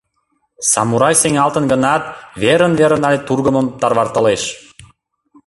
Самурай сеҥалтын гынат, верын-верын але тургымым тарватылеш.